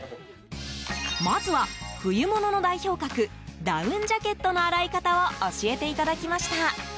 まずは、冬物の代表格ダウンジャケットの洗い方を教えていただきました。